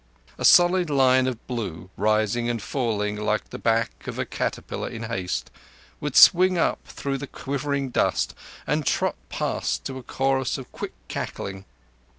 A solid line of blue, rising and falling like the back of a caterpillar in haste, would swing up through the quivering dust and trot past to a chorus of quick cackling.